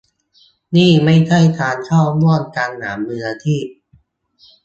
นี่ไม่ใช่การเข้าร่วมกันอย่างมืออาชีพ